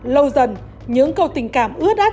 lâu dần những câu tình cảm ướt át